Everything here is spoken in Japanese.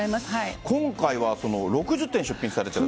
今回は６０点出品されてる。